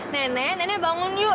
nenek nenek bangun yuk